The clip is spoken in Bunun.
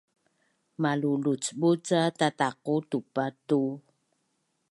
Malulucbut ca tataqu tupa tu